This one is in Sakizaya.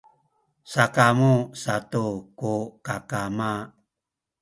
sakamu satu ku kakama